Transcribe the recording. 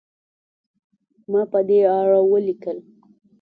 ما په دې اړه ولیکل.